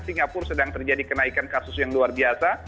singapura sedang terjadi kenaikan kasus yang luar biasa